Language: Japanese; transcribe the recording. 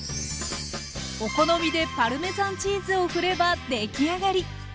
お好みでパルメザンチーズを振ればできあがり！